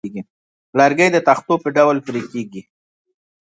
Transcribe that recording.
لرګی د تختو په ډول پرې کېږي.